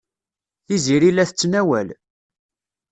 Tiziri la tettnawal.